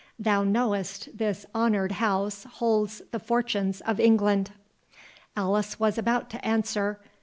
Thou knowest this honoured house holds the Fortunes of England." Alice was about to answer.